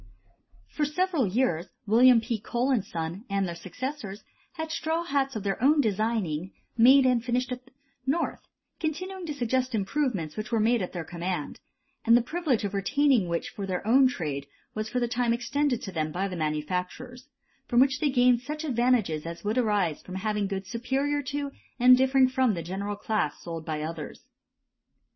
For several years Wm. P. Cole & Son and their successors had straw hats of their own designing made and finished at the North, continuing to suggest improvements which were made at their command, and the privilege of retaining which for their own trade was for the time extended to them by the manufacturers, from which they gained such advantages as would arise from having goods superior to and differing from the general class sold by others.